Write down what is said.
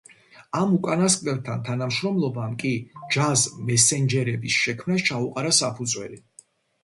ამ უკანასკნელთან თანამშრომლობამ კი „ ჯაზ მესენჯერების“ შექმნას ჩაუყარა საფუძველი.